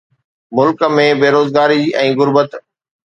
ملڪ ۾ بيروزگاري ۽ غربت